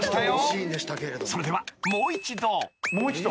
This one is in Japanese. ［それではもう一度］